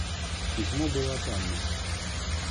Письмо было от Анны.